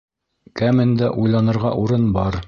Кәмендә уйланырға урын бар.